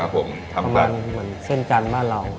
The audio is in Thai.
เพราะมันเหมือนเส้นจานบ้านเรา